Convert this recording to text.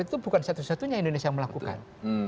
itu bukan satu satunya indonesia yang melakukan